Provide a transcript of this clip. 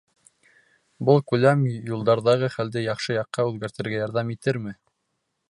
Был күләм юлдарҙағы хәлде яҡшы яҡҡа үҙгәртергә ярҙам итерме?